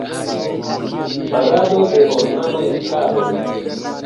Parado de ornamaj ĉaroj.